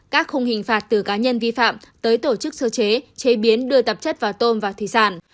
các khung hình phạt từ cá nhân vi phạm tới tổ chức sơ chế chế biến đưa tạp chất vào tôm và thủy sản